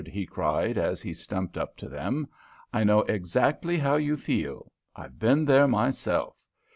he cried, as he stumped up to them. "I know exactly how you feel. I've been there myself.